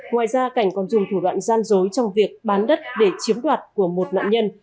ngoài ra cảnh còn dùng thủ đoạn gian dối trong việc bán đất để chiếm đoạt của một nạn nhân